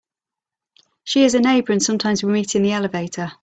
She is a neighbour, and sometimes we meet in the elevator.